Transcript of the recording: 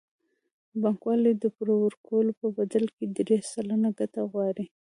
بانکوال د پور ورکولو په بدل کې درې سلنه ګټه غواړي